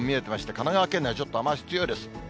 神奈川県内、ちょっと雨足強いです。